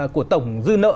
của tổng dư nợ